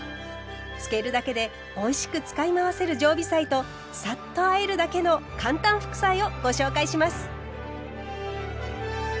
つけるだけでおいしく使い回せる常備菜とサッとあえるだけの簡単副菜をご紹介します。